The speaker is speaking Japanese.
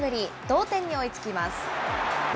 同点に追いつきます。